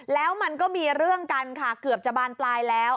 แล้วมันก็มีเรื่องกันค่ะเกือบจะบานปลายแล้ว